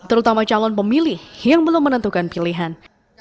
terutama calon pemilih yang belum menentukan pilihan